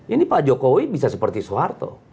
ini pak jokowi bisa seperti soeharto